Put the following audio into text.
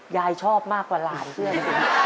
ยายชอบมากกว่าหลานครับ